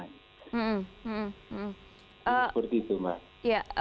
seperti itu mbak